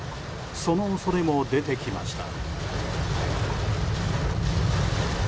その恐れも出てきました。